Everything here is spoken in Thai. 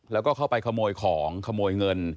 แล้วก็เข้าไปขโมยของขโมยเงิน